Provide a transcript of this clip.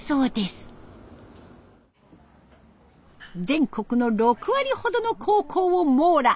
全国の６割ほどの高校を網羅。